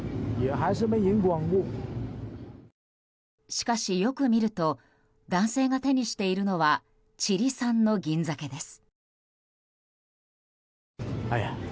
しかし、よく見ると男性が手にしているのはチリ産の銀鮭です。